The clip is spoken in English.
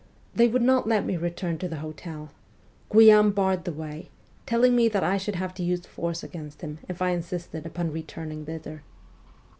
They would not let me return to the hotel ; Guillaume barred the way, telling me that I should have to use force against him if I insisted upon returning thither.